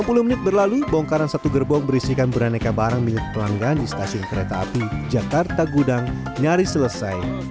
sepuluh menit berlalu bongkaran satu gerbong berisikan beraneka barang milik pelanggan di stasiun kereta api jakarta gudang nyaris selesai